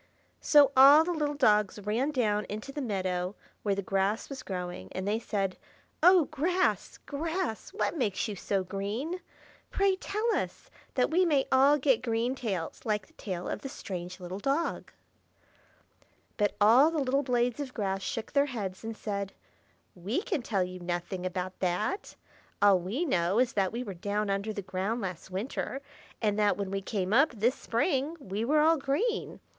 So all the little dogs ran down into the meadow where the grass was growing, and they said, "Oh, grass, grass! what makes you so green? Pray tell us, that we may all get green tails, like the tail of the strange little dog." But all the little blades of grass shook their heads, and said, "We can tell you nothing about that. All we know is that we were down under the ground last winter, and that when we came up this spring, we were all green.